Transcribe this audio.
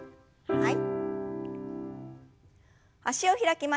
はい。